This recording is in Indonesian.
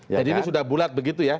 jadi ini sudah bulat begitu ya